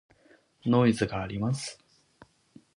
ノイズがあります。